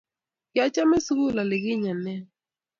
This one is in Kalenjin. Kiachame sukul olikinye nea